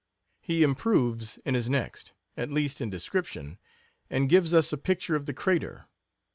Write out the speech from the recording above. He improves in his next, at least, in description, and gives us a picture of the crater.